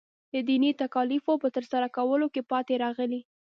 د دیني تکالیفو په ترسره کولو کې پاتې راغلی.